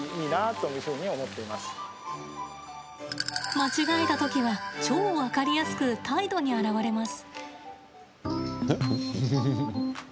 間違えた時は超分かりやすく態度に表れます。